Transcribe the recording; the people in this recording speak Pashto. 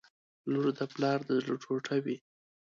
• لور د پلار د زړه ټوټه وي.